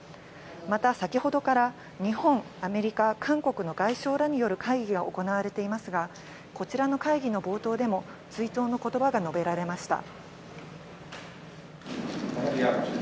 また、先ほどから日本、アメリカ、韓国の外相らによる会議が行われていますが、こちらの会議の冒頭でも追悼のことばが述べられました。